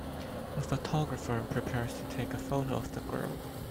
A photographer prepares to take a photo of the girl.